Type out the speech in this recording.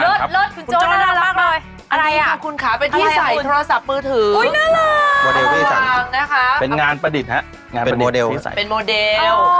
โมเดลก้ออีสันเป็นงานประดิษฐ์ครับเป็นโมเดล